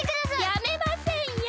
やめませんよ。